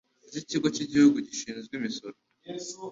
z'ikigo cy'igihugu gishinzwe imisoro